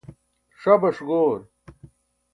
ṣabaṣ goor